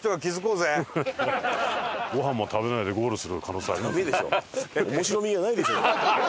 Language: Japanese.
ごはんも食べないでゴールする可能性ありますよ。